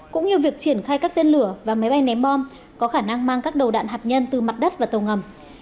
cũng như việc triển khai các tên lửa và máy bay ném bom có khả năng mang các đầu đạn hạt nhân từ mặt đất và tàu ngầm